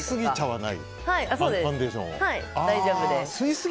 はい、大丈夫です。